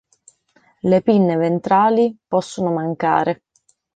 Le pinne ventrali possono mancare.